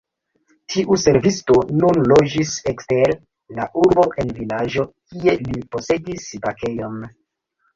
Tiu servisto nun loĝis ekster la urbo en vilaĝo, kie li posedis bakejon.